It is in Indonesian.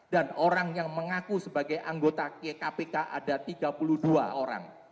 dan orang yang mengaku sebagai anggota kpk ada tiga puluh dua orang